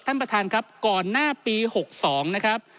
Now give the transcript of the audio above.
ท่านประธานครับก่อนหน้าปี๖๒นะครับ